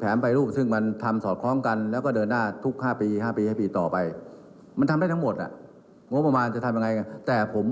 ผมถึงบอกอย่ามากังวลกับผม